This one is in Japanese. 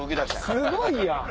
すごいやん！